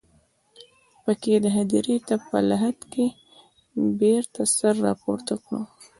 په کې د هديرې په لحد کې بېرته سر راپورته کړ.